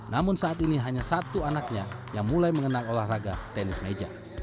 namun saat ini hanya satu anaknya yang mulai mengenang olahraga tenis meja